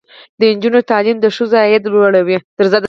د نجونو تعلیم د ښځو عاید لوړوي.